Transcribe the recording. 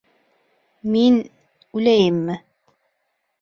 Мин... үләйемме?